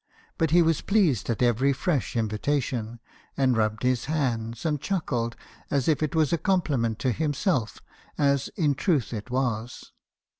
But he was pleased at every fresh invitation , and rubbed his hands , and chuckled, as if it was a compliment to himself, as in truth it was.